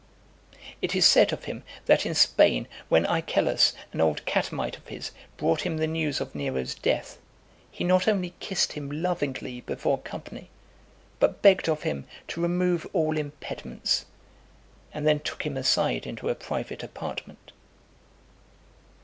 It is said of him, that in Spain, when Icelus, an old catamite of his, brought him the news of Nero's death, he not only kissed him lovingly before company, but begged of him to remove all impediments, and then took him aside into a private apartment.